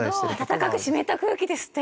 「温かく湿った空気です」って。